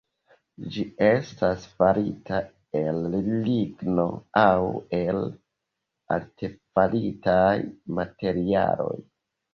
Ĝi estas farita el ligno aŭ el artefaritaj materialoj.